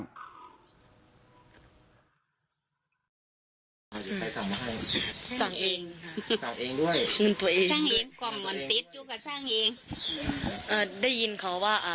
มันนี่คือมูลชาติทิศใจอ่ะเนาะ